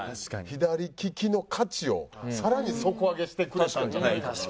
左利きの価値をさらに底上げしてくれたんじゃないかなと。